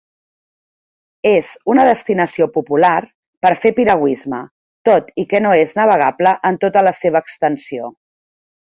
És una destinació popular per fer piragüisme, tot i que no és navegable en tota la seva extensió.